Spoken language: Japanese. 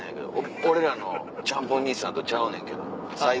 俺らのちゃんぽん兄さんとちゃうねんけど最後。